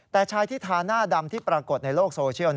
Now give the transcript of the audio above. แต่ชายที่ทาหน้าดำที่ปรากฏในโลกโซเชียล